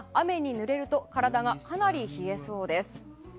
東京は８度ですが、雨にぬれると体がかなり冷えそうです。